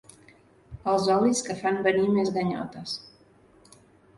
Els olis que fan venir més ganyotes.